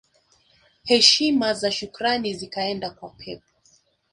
Heshima na shukrani zikaenda kwa Pep